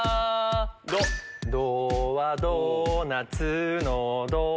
ドはドーナツのド